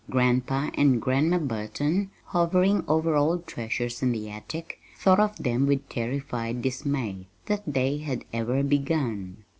Grandpa and Grandma Burton, hovering over old treasures in the attic, thought of them with terrified dismay that they had ever begun.